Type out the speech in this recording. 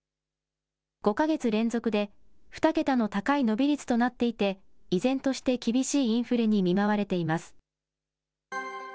５か月連続で２桁の高い伸び率となっていて、依然として厳しいインフレに見舞われています。